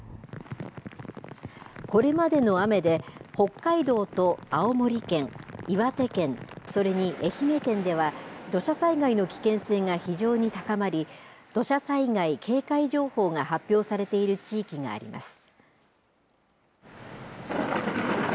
これまでの雨で、北海道と青森県、岩手県、それに愛媛県では土砂災害の危険性が非常に高まり、土砂災害警戒情報が発表されている地域があります。